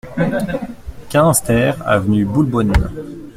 quinze TER avenue Boulbonne